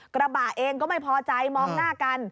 กระบะเองก็ไม่พอใจมองหน้ากัน